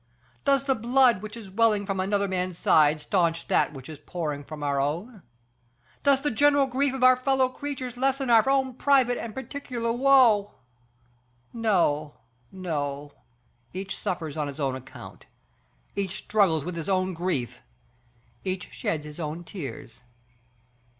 Does the blood which is welling from another man's side stanch that which is pouring from our own? Does the general grief of our fellow creatures lessen our own private and particular woe? No, no, each suffers on his own account, each struggles with his own grief, each sheds his own tears.